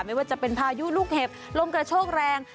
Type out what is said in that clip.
ไม่ว่าจะเป็นพายุลูกเห็บลมกระโชกแรง